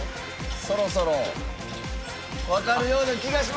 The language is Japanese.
そろそろわかるような気がします！